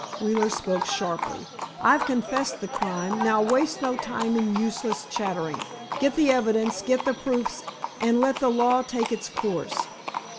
Wheeler spoke sharply. "I've confessed the crime, now waste no time in useless chattering. Get the evidence, get the proofs, and let the law take its course."